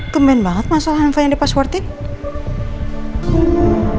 kemen banget masal hanfa yang dipaswardin